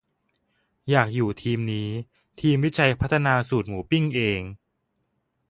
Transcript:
อยากอยู่ทีมนี้ ทีมวิจัยพัฒนาสูตรหมูปิ้งเอง